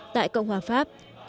tại cộng hòa pháp